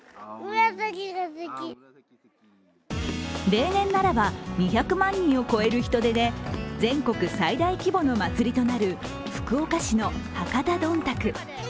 例年ならば２００万人を超える人出で全国最大規模の祭りとなる福岡市の博多どんたく。